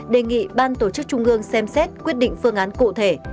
đề nghị ban tổ chức trung ương xem xét quyết định phương án cụ thể